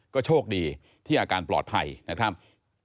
ก็โชคดีที่อาการปลอดภัยนะครับ